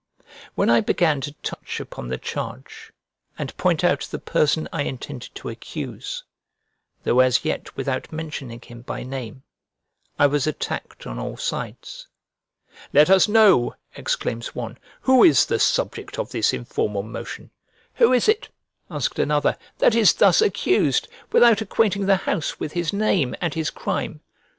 When I began to touch upon the charge, and point out the person I intended to accuse (though as yet without mentioning him by name), I was attacked on all sides. "Let us know," exclaims one, "who is the subject of this informal motion?" "Who is it," (asked another) "that is thus accused, without acquainting the house with his name, and his crime?"